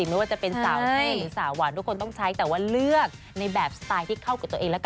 ไม่ว่าจะเป็นสาวเท่หรือสาวหวานทุกคนต้องใช้แต่ว่าเลือกในแบบสไตล์ที่เข้ากับตัวเองแล้วกัน